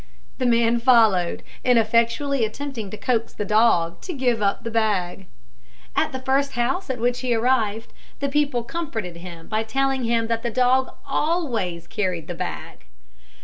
The man followed, ineffectually attempting to coax the dog to give up the bag. At the first house at which he arrived, the people comforted him by telling him that the dog always carried the bag.